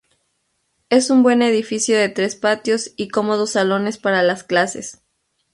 Es un buen edificio de tres patios y cómodos salones para las clases".